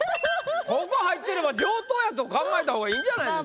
ここ入ってれば上等やと考えた方がいいんじゃないですか？